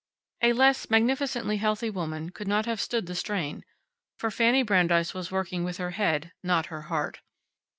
A less magnificently healthy woman could not have stood the strain, for Fanny Brandeis was working with her head, not her heart.